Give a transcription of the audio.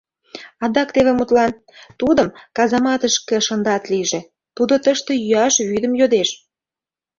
Адак теве, мутлан, тудым казаматышке шындат лийже; тудо тыште йӱаш вӱдым йодеш;